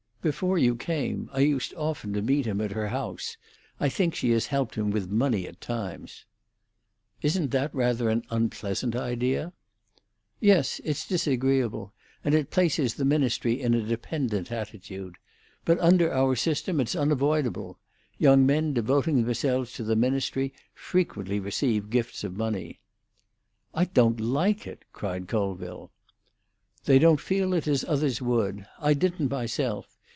Before you came I used often to meet him at her house. I think she has helped him with money at times." "Isn't that rather an unpleasant idea?" "Yes; it's disagreeable. And it places the ministry in a dependent attitude. But under our system it's unavoidable. Young men devoting themselves to the ministry frequently receive gifts of money." "I don't like it," cried Colville. "They don't feel it as others would. I didn't myself.